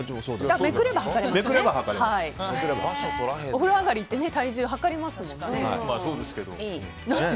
お風呂あがり体重測りますもんね。